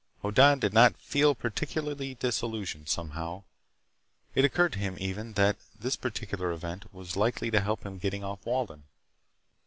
Hoddan did not feel particularly disillusioned, somehow. It occurred to him, even, that this particular event was likely to help him get off of Walden.